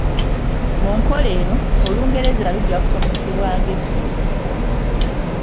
Mu nkola eno, Olungereza lujja kusomesebwa ng’essomo.